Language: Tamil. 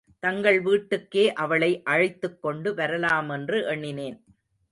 தங்கள் வீட்டுக்கே அவளை அழைத்துக்கொண்டு வரலாமென்று எண்ணினேன்.